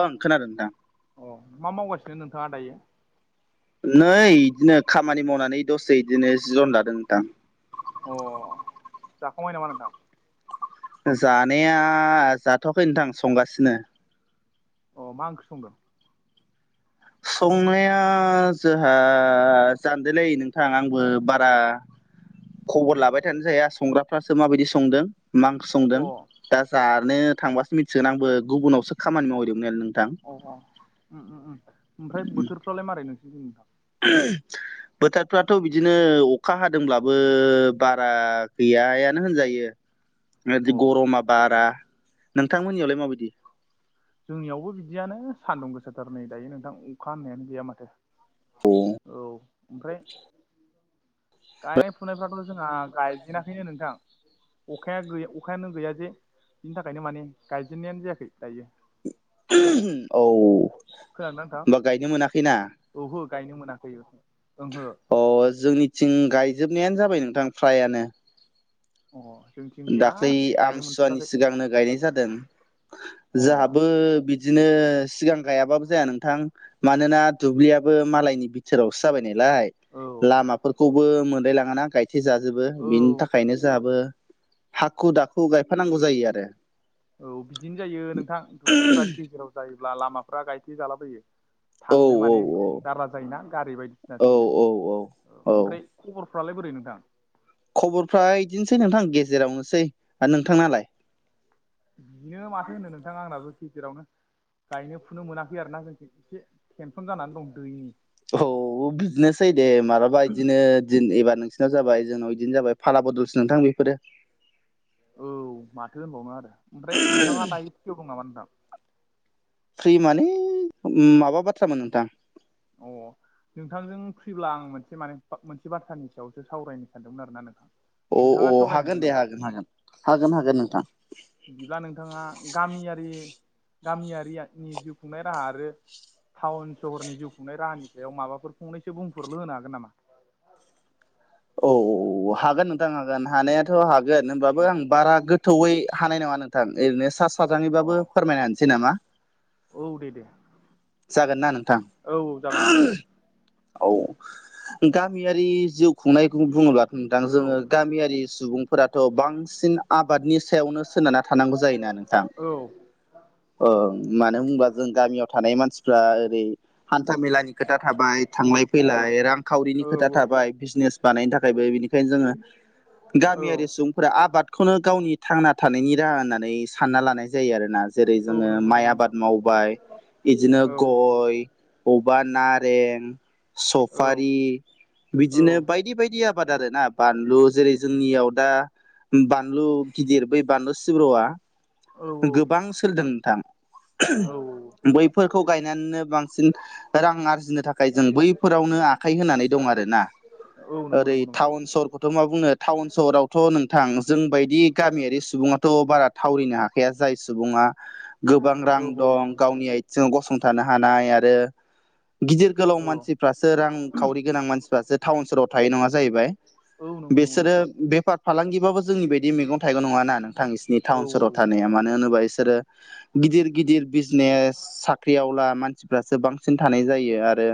ओं खोनादों नोंथां अ मा मावगासिनो नोंथाङा दायो नै बिदिनो खामानि मावनानै दसे बिदिनो जिरन लादों नोंथां अ जाखांबाय नामा नोंथां जानाया जाथ'याखै नोंथां संगासिनो अ मा ओंख्रि संदों संनाया जोंहा जानदोलै नोंथां आंबो बारा खबर लाबाय थानो जाया संग्राफ्रासो माबायदि संदों मा ओंख्रि संदों अ दा जानो थांबासो मिथिगोन आंबो गुबुनावसो खामानि मावहैदोंमोन नों अ औ ओमफ्राय बोथोरफ्रालाय मारै नोंसिनिथिं नोंथां [unintelligible] बोथोरफ्राथ' बिदिनो अखा हादोंब्लाबो बारा गैयानो होनजायो [inaudible] दि गरमा बारा नोंथांमोननियावलाय माबायदि जोंनियावबो बिदियानो सान्दुं गोसाथार नै दायो नोंथां अखा होननायानो गैया माथो अ औ ओमफ्राय गायनाय फुनायफ्राथ' जोंहा गायजेनाखैनो नोंथां अखाया गै अखायानो गैया जे बिनि थाखायनो माने गायजेननायानो जायाखै दायो [unintelligible] खोनादों ना होमबा गायनो मोनाखैना नोंथां ओहो गायनो मोनाखै ओंहो अ जोंनिथिं गायजोबनायानो जाबाय नोंथां फ्रायानो [unintelligible] दाखाै गायनो आमसुवानि मोनथ'वाखै सिगांनो गायनाय जादों अ जोंहाबो बिदिनो सिगां गायाबाबो जाया नोंथां मानोना दुब्लियाबो मालायनि बि सोरावसो जाबाय नालाय औ लामाफोरखौबो मोनलाय लाङ ना गाय थि जाजोबो बिनि औ थाखायनो जोंहाबो हाखु दाखु गायफानांगौ जायो आरो [inaudible] औ बिदिनो जायो नोंथां दुब्लिफ्रा गेजेराव जायोब्ला लामाफ्रा गायथे जालाबोयो औ थांनो माने औ जार जायोना गारि बायदिसिना औ सोनो औ औ औ ओमफ्राय खबरफ्रालाय बोरै नोंथां खबरफ्रा बिदिनोसै नोंथां गेजेरावनोसै आर नोंथांनालाय बिदिनो माथो होनो नोंथां आंनाबो गेजेरावनो गायनो फुनो मोनाखै आरोना जों एसे टेनसन जानानै दं दैनि औ बिनोसै जै दे मालाबा बिदिनो दिन एबार नोंसिरनाव जाबाय जोंनाव बिदिनो जाबाय फाला बदल्स नोंथां बेफोरो औ माथो दोनबावनो आरो ओमफ्राय नोंथाङा दायो फुथियाव दं नामा नोंथां फ्रि माने माबा बाथ्रामोन नोंथां अ नोंथांजों फ्रिब्ला आं मोनसे माने मोनसे बाथ्रानि सायावसो सावरायनो सानदोंमोन आर ना नोंथां अ नोंथाङा औ सावरायनो हागोन दे नामा हागोन हागोन हागोन हागोन अ नोंथां बिदिब्ला नोंथाङा गामियारि गामियारिनि जिउ खुंनाय राहा आरो टाउन सहरनि जिउ खुंनाय राहानि सायाव माबाफोर फंनैसो बुंफोरल' होनो हागोन नामा औ औ हागोन नोंथां हागोन हानायाथ' हागोन अ होनबाबो आं बारा गोथौयै हानाय नङा नोंथां ओरैनो सा साजैबाबो अ फोरमायनो हसै नामा औ दे दे जागोन ना नोंथां औ औ जागोन दे जागोन औ गामियारि जिउ खुंनायखौ बुङोब्ला नोंथां औ जोङो गामियारि सुबुं फोरथ' बांसिन आबादनि सायावनो सोनारना थानांगौ जायोना नोंथां औ अ मानो होनबा जों गामियाव थानाय मानसिफ्रा ओरै हान्था मेलानि खोथा थाबाय थांलाय फैलाय रांखावरिनि औ खोथा थाबाय बिजनेस बानायनो थाखायबो बेनिखायनो जोङो औ गामियारि सुबुं आबादखौनो गावनि थांना थानायनि राहा होननानै सानना लानाय जायो आरोना जेरै औ जोङो नंगौ माइ नंगौ नोंथां आबाद मावबाय बिदिनो औ औ गय अबबा नारें औ सफारि औ बिदिनो बायदि बायदि आरो आबाद आरो ना बानलु जेरै जोंनियाव दा बानलु गिदिर ब बान्द सिब्र' औ गोबां सोलिदों नोंथाम औ बै खौ गायनानैनो बांसिन रां आरजिनो थाखाय जों बैफोरावनो आखाइ होनानै दं आरो ना औ नंगौ ओरै नंगौ नोंथां टाउन सहर थ' मा बुंनो टाउन सहरावथ' नोंथां जोंबायदि गामियारि सुबुङाथ' बारा थावरिनो हाखाया जाय सुबुा गोबां औ रां औ दं नंगौ नंगौ गावनि नोंथां आ जों गसंथानो हानाय आरो गिदिर गोलाव मानसि फासो रांखावरिनां मानसिफ्रासो टाउन सहाव थायो नङा जाहैबाय औ नंगौ नंगौ बिसोरो नोंथां बेफार फालांगिबाबो जोंनि बदि मैगं थाइगं नङा ना नोंथां बिसिोरनि औ टाउन सहराव थानाया मानो होनोबा बिसोरो गिदिर गिदिर बिजनेस साख्रिआवला मानसिफ्रासो बांसिन थानाय जायो आरो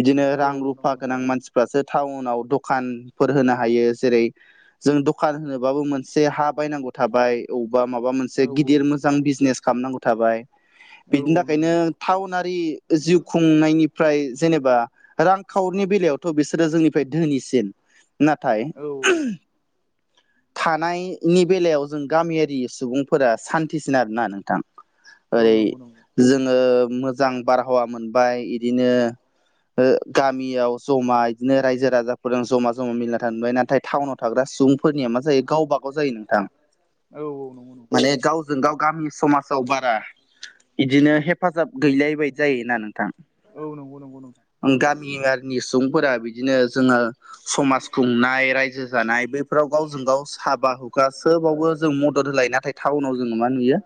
बिदिनो औ रां नंगौ रुफा नंगौ गोनां मानसिफ्रासो टाउनाव दख दखान फोर होनो हायो जेरै जों दखान होनोबाबो मोनसे हा बायनांगौ थाबाय अबावबा माबा मोनसे औ गिदिर मोजां बिजनेस खालामनांगौ थाबाय औ बिनि नंगौ थाखायनो नंगौ टाउनारि जिउ खुंनायनिफ्राय जेनेबा रांखावरिनि बेलायावथ' बिसोरो जोंनिफ्राय धोनिसिन नाथाय औ थानायनि बेलायाव जों गामियारि सुबुंफोरा सान्थिसिन आरोना नोंथां औ ओरै नंगौ नंगौ जोङो मोजां बारहावा मोनबाय बिदिनो गामियाव जमाय बिदिनो रायजो राजाफोरजों जमा जमा मिलना थबाय नाथाय टाउनाव थाग्रा सुबुं फोरनिया मा जायो गावब गाव जायो नोंथां औ नंगौ नंगौ मान गाव जजों गाव गामि समाजाव बारा बिदिनो हेफाजाब गैलायबायदि जायोना नोंथां औ नंगौ नंगौ नंगौ गामियारिनि सुबुंफोरा बिदिनो जोङो समाज खुंनाय रायजो जानाय बैफोराव गावजों गाव हाबा हुखाा सोबावबो जों मदद होलायो नाथाय टाउनाव जोङो मा नुयो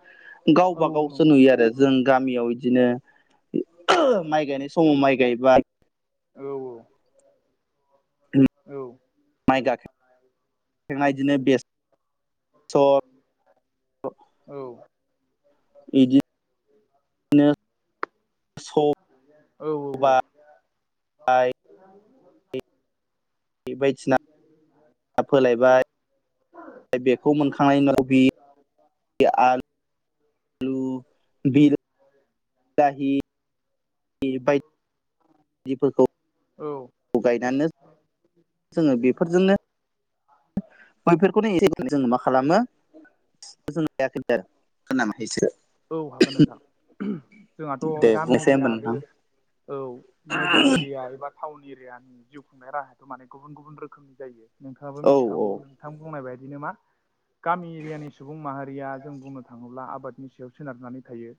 औ गावबा औ गावसो नंगौ नंगौ नुयो आरो जों गामियाव बिदिनो माइ गायनाय समाव माइ गायबा औ औ औ माइ गाखाखनाय बिदिनो बेस स' औ एज [unintelligible] मोसौबाइ [unintelligible] औ [inaudible] बे बायदिना फोलायबाय बेखौ मोनखांनायनि उनाव खफि आलु आलु बिलाहि बायदि [unintelligible] फोरखौ औ गायनानै जोङो बेफोरजोंनो बैफोरखौनो एसे जों मा खालामो [unintelligible] औ हागोन नोंथां जोंहाथ' दे गामि बुंनोसै एरिया होमबा आरो नोंथां औ नोगोर एरिया एबा टाउन एरियानि जिउ खुंनाय राहायाथ' माने गुबुन गुबुन रोखोमनि जायो नोंथाङाबो औ औ मिथिखागौ नोंथां बुंनाय बायदिनो मा गामि एरियानि सुबुं माहारि रिया जों बुंनो थाङोब्ला आबादनि सायाव सोनारनानै थायो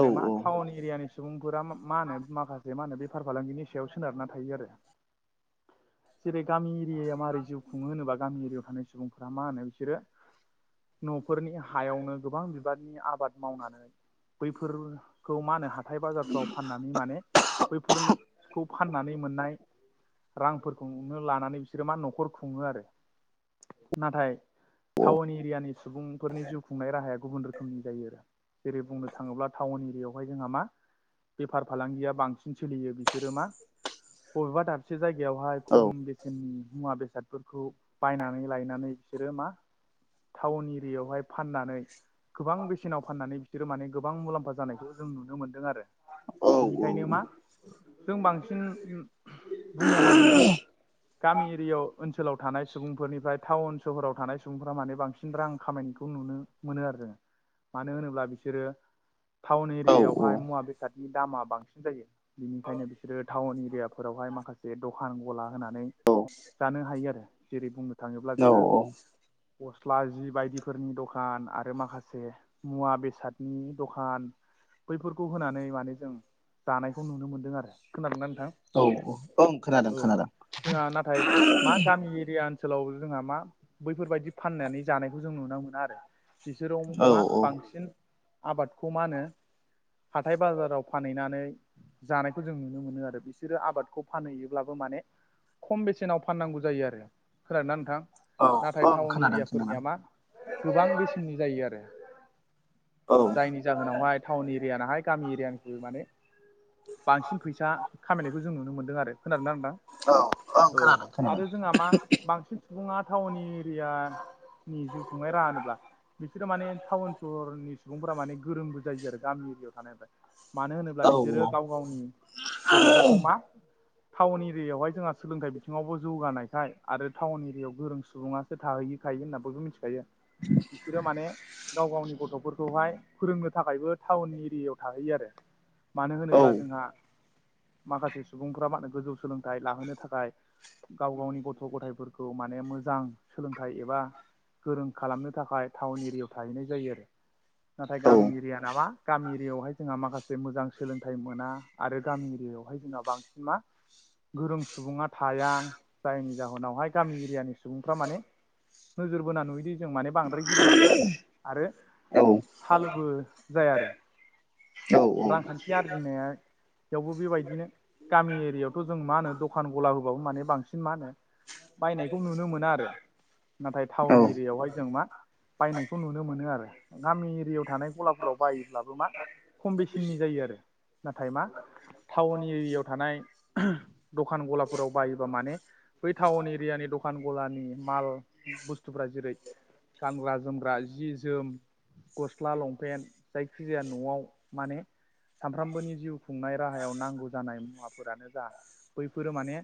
औ मा टाउन एरियानि सुबुंफोरा मा होनो माखासे मा होनो बेफार फालांगिनि सायाव सोनारना थायो आरो जेरै गामि एरियायाव मारै जिउ खुङो होनोबा गामि एरियायाव थानाय सुबुंफोरा मा होनो बिसोरो न'फोरनि हायावनो गोबां बिबारनि आब आबाद मावनानै बैफोर खौ मा होनो हाथाय बाजारफ्राव फाननानै माने बैफोरनो फाननानै मोननाय रांफोरखौनो लानानै बिसोरो मा न'खर खुङो आरो नाथाय टाउन एरियानि सुबुंफोरनि जिउ खुंनाय राहाया गुबुन रोखोमनि जायो आरो जेरै बुंनो थाङोब्ला टाउन एरियायावहाय जोंहा मा बेफार फालांगिया बांसिन सोलियो बिसोरो मा बबेबा दा खबसे जायगायावहाय औ खम बेसेननि मुवा बेसादफोरखौ बायनानै लायनानै बिसोरो मा टाउन एरियायावहाय फाननानै गोबां बेसे फाननानै बिसोरो माने गोबां मुलाम्फा जानायखौ जों नुनो मोन्दों आरो औ बेनिखायनो मा जों बांसिन बुंनो हायोदि गामि एरियायाव ओनसोलाव थानाय सुबुंफोरनिफ्राय टाउन सहराव थानाय सुबुंफोरा माने बांसिन रां खामायनायखौ नुनो मोनो आरो जोङो मानो होनोब्ला बिसोरो टाउन औ एरियायावहाय मुवा बेसादनि दामा बांसिन जायो बिनिखायनो बिसोरो टाउन एरियाफोरावहाय माखासे जे दखान गला होनानै जानो हायो आरो जेरै बुंनो थाङोब्ला औ जोङो गस्ला जि बायदिफोरनि दखान आरो माखासे मुवा बेसादनि दखान बैफोरखौ होनानै माने जों जानायखौ नुनो मोनदों आरो खोनादोंंना नोंथां औ ओं औ खोनादों खोनादों जोंहा नाथाय मा गामि एरिया ओनसोलाव जोंहा मा बैफोरबायदि फाननानै जानायखौ जों नुनो मोना आरो बिसोराव औ मा औ बांसिन आबादखौ मा होनो हाथाय बाजाराव फानहैनानै जानायखौ जों नुनो मोनो आरो बिसोरो आबादखौ फानहैयोब्लाबो माने खम बेसेनाव फाननांगौ जायो आरो फोराना नोंथां नाथाय ओं टाउन खोनादों खोनादों एरियाफोरनिया मा गोबां बेसेननि जायो आरो औ जायनि जाहोनावहाय टाउन एरियाानाहाय गामि एरियानिस माने बांसिन फैसा खामायनायखौ जों नुनो मोन्दों आरो खोनादोंना नोंथां औ ओं औ खोनादों खोनादों आरो जोंहा मा बांसिन सुबुङा टाउन एरिया नि जिउ खुंनाय राानोब्ला बिसोरो माने टाउन सहरनि सुबुंफोरा माने गोरोंबो जायो आरो गामि एरियायाव थानायनिफ्राय मानो होनोब्ला औ बिसोरो गाव गावनि गथ'फोरखौ मा टाउन एरियायावहाय जोंहा सोलोंथाइ बिथिङावबो जौगानायखाय आरो टाउन एरियायाव गोरों सुबुङा सोरोथााहैैखायो होनना बयबो मिथिखायो बिसोरो माने गाव गावनि गथ'फोरखौहाय फोरोंनो थाखायबो टाउन एरियायाव थाहैयो आरो मानो औ होनोब्ला जोंहा माखासे सुबुंफ्रा माहोनो गोजौ सोलोंथाइ लाहोनो थाखाय गाव गावनि गथ' गथायफोरखौ माने मोजां सोलोंथाइ एबा गोरों खालामनो थाखाय टाउन एरियायाव थाहैनाय जायो आरो नाथाय औ गामि एरिया नामा गामि एरियायावहाय जोंहा माखासे मोजां सोलोंथाइ मोना आरो गामि एरियायावहाय जोंहा बांसिन मा गोरों सुबुङा थाया जायनि जाहोनावहाय गामि एरियानि सुबुंफ्रा माने नोजोर बोना नुयोदि जों माने बांद्राय गोरों जाया आरो औ सालुबो जाया आरो, औ रांखान्थि आरजिनाया बेयावबो बेबायदिनो गामि एरियायावथ' जों मा होनो दखान गला होबाबो माने बांसिन मा होनो बायनायखौ नुनो मोना आरो। नाथाय औ टाउन एरियायावहाय जों मा बायनायखौ नुनो मोनो आरो। गामि एरियायाव थानाय गलाफोराव बायोब्लाबो मा खम बेसेननि जायो आरो नाथाय मा टाउन एरियायाव थानाय दखान गलाफोराव बायोबा माने बै टाउन एरियानि दखान गलानि माल बुस्थुफ्रा जेरै गानग्रा-जोमग्रा, जि-जोम गस्ला, लंपेन्ट जायखिजाया न'आव माने सानफ्रामबोनि जिउ खुंनाय राहायाव नांगौ जानाय मुवाफोरानो जा बैफोरो माने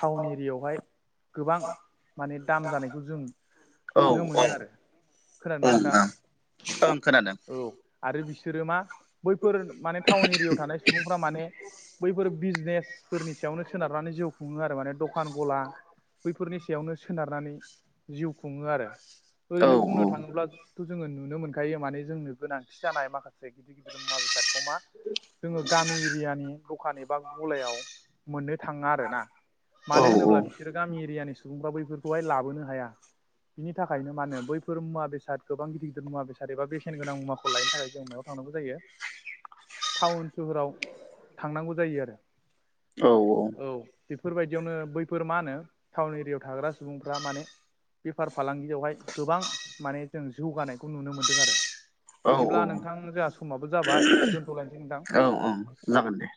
टाउन एरियायावहाय गोबां माने दाम जानायखौ जों ओं ओं नुनो मोनो आरो। खोनादोंना नोंथां? ओं खोनादों। औ आरो बिसोरो मा बैफोर माने टाउन एरियायाव थानाय सुबुं फोरा माने बैफोर बिजनेसफोरनि सायावनो सोनारनानै जिउ खुङो आरो माने दखान गला बैफोरनि सायावनो सोनारनानै जिउ खुङो आरो औ ओरैनो बुंनो थाङोब्लाथ' जोङो नुनो मोनखायो माने जोंनो गोनांथि जानाय माखासे गिदिर गिदिर मुवा बेसादखौ मा जोङो गामि एरियानि दखान एबा गलायाव मोननो थाङा आरो ना। औ मानो होनोब्ला बिसोरो गामि एरियानि सुबुंफ्रा बैफोरखौहाय लाबोनो हाया। बिनि थाखायनो मानो बैफोर मुवा बेसाद गोबां गिदिर मुवा बेसाद बा बेसेन गोनां मुवाखौ लायनो थाखाय जों मायाव थांनांगौ जायो टाउन सोहोराव थांनांगौ जायो आरो। औ औ औ बेफोरबायदियावनो बैफोर मा होनो टाउन एरियायाव थाग्रा सुबुंफ्रा माने बेफार फालांगियावहाय गोबां माने जों जौगानाय खौ नुनो मोन्दों आरो। औ बिदिब्ला नोंथां जोंहा समाबो जाबाय दोन्थ'लायनोसै नोंथां। ओं जागोन दे